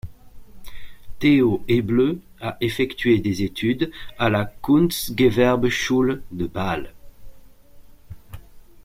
Theo Eble a effectué des études à la Kunstgewerbeschule de Bâle.